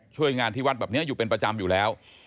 ช่วยงานที่วัดแบบนี้อยู่เป็นประจำอยู่แล้ว